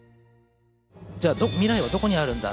じゃあ未来はどこにあるんだ。